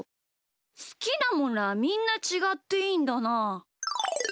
すきなものはみんなちがっていいんだな。